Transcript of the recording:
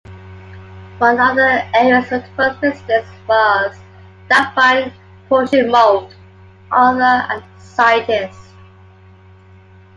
One of the area's notable residents was Daphne Pochin Mould, author and scientist.